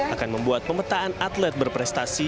akan membuat pemetaan atlet berprestasi